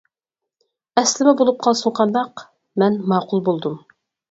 ئەسلىمە بولۇپ قالسۇن قانداق؟ مەن ماقۇل بولدۇم.